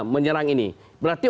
menyerang ini berarti